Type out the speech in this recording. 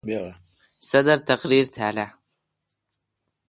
صدر اے°تقریر تھال اہ؟